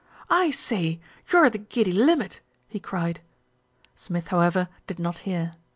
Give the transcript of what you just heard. U I say, you're the giddy limit," he cried. Smith, however, did not hear.